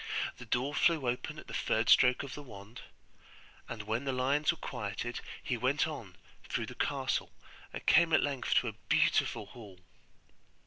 The door flew open at the third stroke of the wand, and when the lions were quieted he went on through the castle and came at length to a beautiful hall.